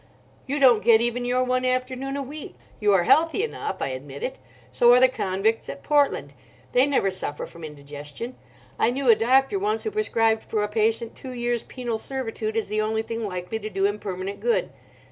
"You don't get even your one afternoon a week. You are healthy enough, I admit it. So are the convicts at Portland. They never suffer from indigestion. I knew a doctor once who prescribed for a patient two years' penal servitude as the only thing likely to do him permanent good.